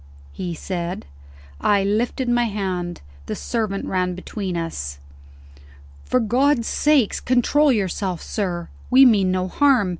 _" he said. I lifted my hand. The servant ran between us. "For God's sake, control yourself, sir! We mean no harm.